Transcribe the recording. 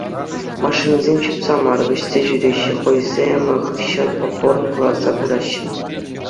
Машинисем чупса мар, вӗҫсе ҫӳреҫҫӗ, хӑйсем хыҫҫӑн попкорн кӑларса пыраҫҫӗ.